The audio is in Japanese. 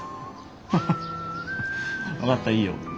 ハハ分かったいいよ。